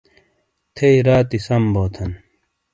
تھیئی راتی سم بو تھن۔